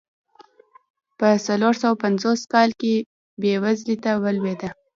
په څلور سوه پنځوس کال کې بېوزلۍ ته ولوېده.